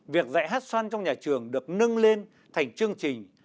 việc dạy hét xoan trong nhà trường được nâng lên thành chương trình